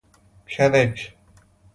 کنک